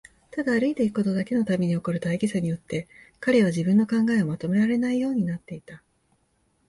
ただ歩いていくことだけのために起こる大儀さによって、彼は自分の考えをまとめられないようになっていた。